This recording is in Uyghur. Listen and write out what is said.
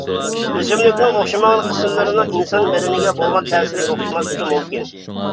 ئۆسۈملۈكنىڭ ئوخشىمىغان قىسىملىرىنىڭ ئىنسان بەدىنىگە بولغان تەسىرى ئوخشىماسلىقى مۇمكىن.